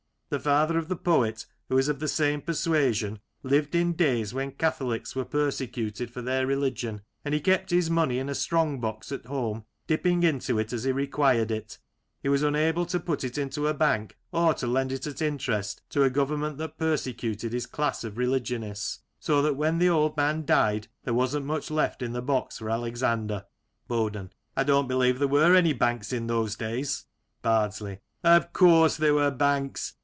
The father of the poet, who was of the same persuasion, lived in days when Catholics were persecuted for their religion, and he kept his money in a strong box at home, dipping into it as he required it He was unable to put it into a bank or to lend it at interest to a government that persecuted his class of religionists; so that when the old man died there wasn't much left in the box for Alexander. Boden: I don't believe there were any banks in those days. Bardsley: Of course there were banks!